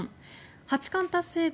八冠達成後